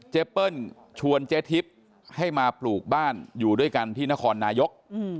เปิ้ลชวนเจ๊ทิพย์ให้มาปลูกบ้านอยู่ด้วยกันที่นครนายก